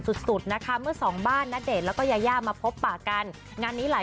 โทษนะคุยเรื่องงานแต่งกันบ้างรึเปล่า